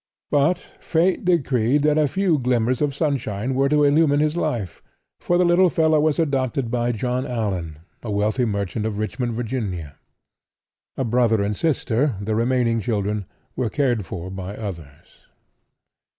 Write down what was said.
But fate decreed that a few glimmers of sunshine were to illumine his life, for the little fellow was adopted by John Allan, a wealthy merchant of Richmond, Va. A brother and sister, the remaining children, were cared for by others.